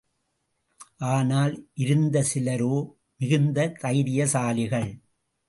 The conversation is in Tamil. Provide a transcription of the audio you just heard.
ஆனால் இருந்த சிலரோ மிகுந்த தைரியசாலிகள்.